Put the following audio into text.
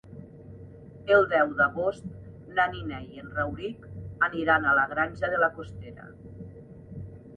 El deu d'agost na Nina i en Rauric aniran a la Granja de la Costera.